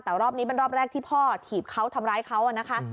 แต่รอบนี้เป็นรอบแรกที่พ่อถีบเขาทำร้ายเขานะคะ